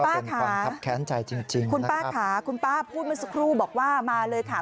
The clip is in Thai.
คุณป้าค่ะคุณป้าค่ะคุณป้าพูดมาสกรู่บอกว่ามาเลยค่ะ